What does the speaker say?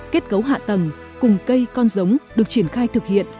kết cấu hạ tầng cùng cây con giống được triển khai thực hiện